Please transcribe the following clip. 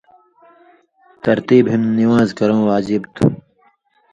ترتیب ہِن نِوان٘ز کرٶں واجِب تھُو۔